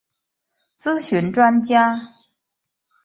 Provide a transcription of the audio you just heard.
咨询专家